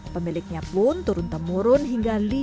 pemiliknya pun turun temurun hingga lima generasi